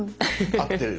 合ってる。